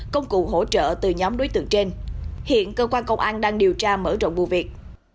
công cụ hỗ trợ từ nhóm đối tượng trên hiện cơ quan công an đang điều tra mở rộng vụ việc